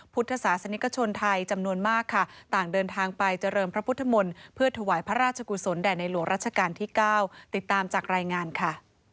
พุทธศาสนิกชนไทยจำนวนมากค่ะต่างเดินทางไปเจริญพระพุทธมนตร์เพื่อถวายพระราชกุศลแด่ในหลวงราชการที่๙ติดตามจากรายงานค่ะ